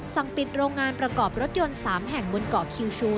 สั่งปิดโรงงานประกอบรถยนต์๓แห่งบนเกาะคิวชู